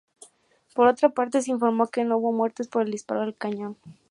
Por otra parte se informó que no hubo muertes por el disparo del cañón.